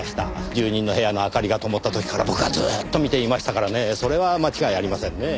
住人の部屋の明かりがともった時から僕はずっと見ていましたからねそれは間違いありませんねぇ。